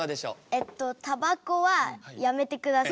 えっとタバコはやめてください。